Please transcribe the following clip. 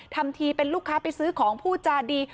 ทำทีเป็นลูกค้าไปซื้อของพูดจาดี